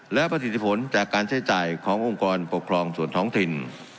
และประสิทธิผลจากการใช้จ่ายขององค์กรปกครองส่วนท้องถิ่น